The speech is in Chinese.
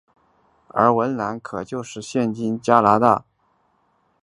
而文兰可能就是现今加拿大纽芬兰岛的兰塞奥兹牧草地。